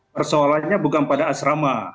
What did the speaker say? persoalannya bukan pada asrama